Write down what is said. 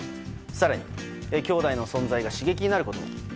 更に、きょうだいの存在が刺激になることも。